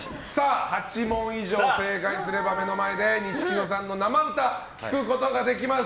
８問以上正解すれば、目の前で錦野さんの生歌聴くことができます。